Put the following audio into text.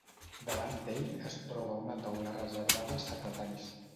Davant d'ell, es troba una taula reservada als secretaris.